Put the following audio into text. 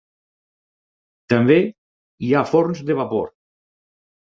També hi ha forns de vapor.